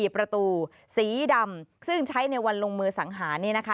ประตูสีดำซึ่งใช้ในวันลงมือสังหาร